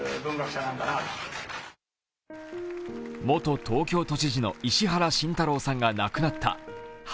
元東京都知事の石原慎太郎さんが亡くなった。